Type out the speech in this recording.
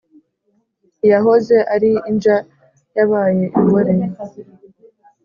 Iyahoze ari inja yabaye ingore.